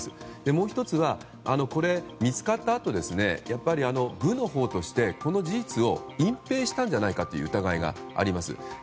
もう１つは、見つかったあと部のほうとして、この事実を隠ぺいしたんじゃないかという疑いがあります。